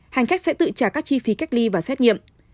hành khách sẽ tự trả các chi phí cách ly và xét nghiệm